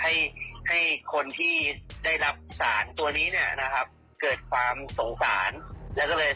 มันไม่ตรงกับที่เขาได้มีจ้านขอจากคนอื่น